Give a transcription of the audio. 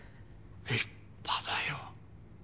立派だよ。